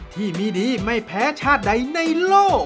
ที่มีดีไม่แพ้ชาติใดในโลก